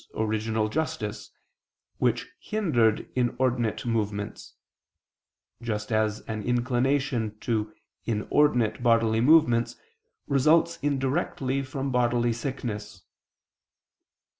original justice, which hindered inordinate movements: just as an inclination to inordinate bodily movements results indirectly from bodily sickness.